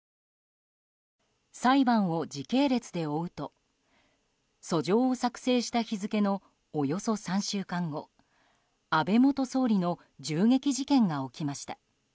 裁判を時系列で追うと訴状を作成した日付のおよそ３週間後安倍元総理の銃撃事件が起きました。